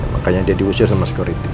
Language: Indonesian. makanya dia diusir sama security